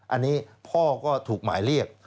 อันนี้พ่อก็ถูกหมายเรียก